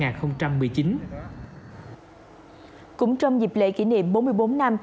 cũng trong dịp lễ kỷ niệm bốn mươi bốn năm